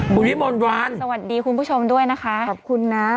คุณวิทย์มณวรรณดูแลตัวเองคุณผู้ชมด้วยนะคะขอบคุณนะ